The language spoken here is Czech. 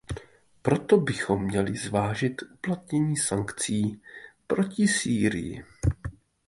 Proto bychom měli zvážit uplatnění sankcí proti Sýrii.